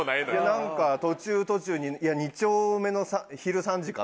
なんか途中途中に「二丁目の昼３時か」みたいな。